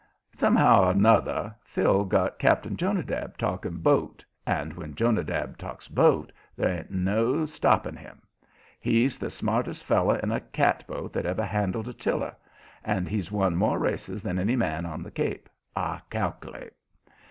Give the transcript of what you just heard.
Somehow or 'nother Phil got Cap'n Jonadab talking "boat," and when Jonadab talks "boat" there ain't no stopping him. He's the smartest feller in a cat boat that ever handled a tiller, and he's won more races than any man on the Cape, I cal'late.